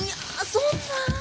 そんなあ。